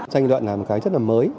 danh luận là một cái rất là mới